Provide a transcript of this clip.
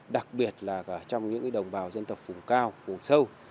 đặc biệt là trong những đồng bào dân tộc phủ cao phủ sâu